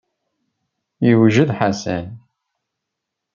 Yewjed Ḥasan.